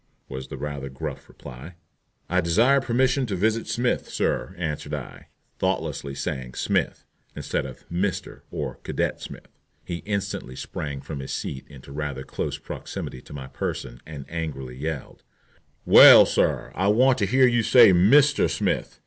was the rather gruff reply. "I desire permission to visit Smith, sir," answered I, thoughtlessly saying "Smith," instead of "Mr" or "Cadet Smith." He instantly sprang from his seat into rather close proximity to my person and angrily yelled: "Well, sir, I want to hear you say 'Mr. Smith.'